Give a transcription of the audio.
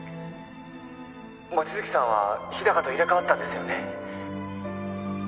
望月さんは日高と入れ替わったんですよね？